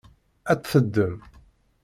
Ad tt-teddem?